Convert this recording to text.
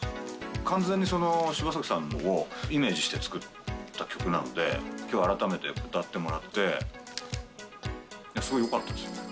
完全に柴咲さんをイメージして作った曲なので、きょう改めて歌ってもらって、すごいよかったですよ。